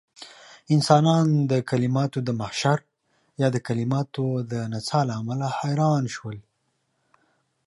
انسانان د کليماتو د محشر يا د کليماتو د نڅاه له امله حيران شول.